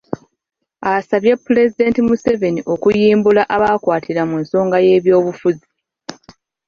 Asabye Pulezidenti Museveni okuyimbula abaakwatibwa mu nsonga y'ebyobufuzi